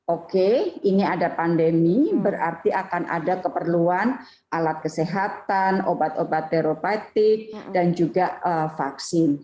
oke ini ada pandemi berarti akan ada keperluan alat kesehatan obat obat teropatik dan juga vaksin